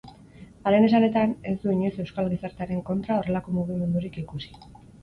Haren esanetan, ez du inoiz euskal gizartearen kontra horrelako mugimendurik ikusi.